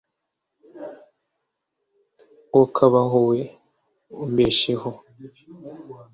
wokabaho we umbesheho